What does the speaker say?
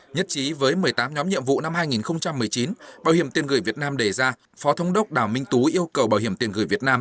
nhất trí với một mươi tám nhóm nhiệm vụ năm hai nghìn một mươi chín bảo hiểm tiền gửi việt nam đề ra phó thống đốc đào minh tú yêu cầu bảo hiểm tiền gửi việt nam